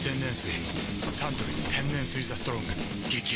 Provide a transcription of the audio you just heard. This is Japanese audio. サントリー天然水「ＴＨＥＳＴＲＯＮＧ」激泡